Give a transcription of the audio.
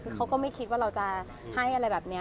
คือเขาก็ไม่คิดว่าเราจะให้อะไรแบบนี้